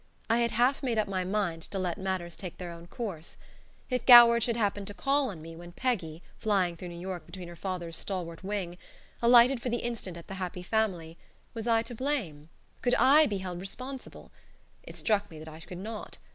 I had half made up my mind to let matters take their own course. If Goward should happen to call on me when Peggy, flying through New York beneath her father's stalwart wing, alighted for the instant at "The Happy Family" was I to blame? Could I be held responsible? It struck me that I could not.